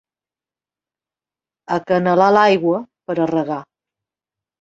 Acanalar l'aigua per a regar.